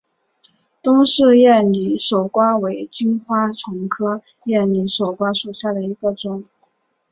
东氏艳拟守瓜为金花虫科艳拟守瓜属下的一个种。